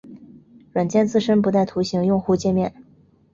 软件自身不带图形用户界面。